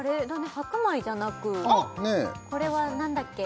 白米じゃなくこれは何だっけ